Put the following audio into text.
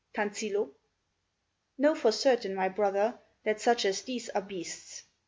Tansillo Know for certain, my brother, that such as these are beasts.